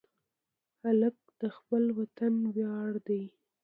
هلک د خپل وطن ویاړ دی.